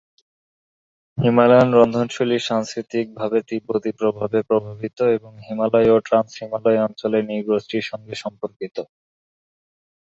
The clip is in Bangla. হিমালয়ান রন্ধনশৈলী সাংস্কৃতিক ভাবে তিব্বতি প্রভাবে প্রভাবিত এবং হিমালয় ও ট্রান্স-হিমালয় অঞ্চলের নৃগোষ্ঠীর সংগে সম্পর্কিত।